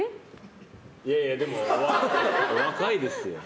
いやいや、でも若いですよ。